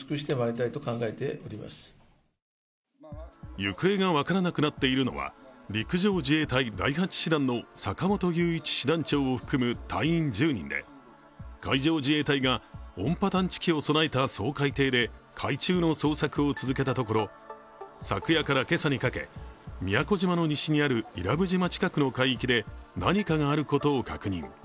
行方が分からなくなっているのは、陸上自衛隊第８師団の坂本雄一師団長を含む隊員１０人で海上自衛隊が音波探知機を備えた掃海艇で海中の捜索を続けたところ、昨夜から今朝にかけ、宮古島の西にある伊良部島近くの海域で何かがあることを確認。